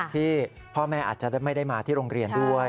ที่พ่อแม่อาจจะไม่ได้มาที่โรงเรียนด้วย